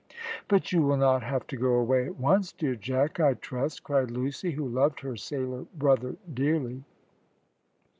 "But you will not have to go away at once, dear Jack, I trust," cried Lucy, who loved her sailor brother dearly.